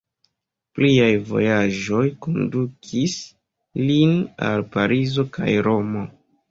Pliaj vojaĝoj kondukis lin al Parizo kaj Romo.